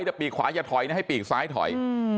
แต่ปีกขวาอย่าถอยนะให้ปีกซ้ายถอย